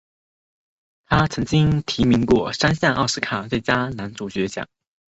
他曾提名过三项奥斯卡最佳男主角奖。